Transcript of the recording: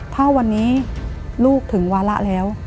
ถ้าวันนี้ลูกถึงวาระแล้ว